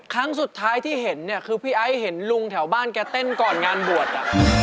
ครั้งสุดท้ายที่เห็นเนี่ยคือพี่ไอ้เห็นลุงแถวบ้านแกเต้นก่อนงานบวช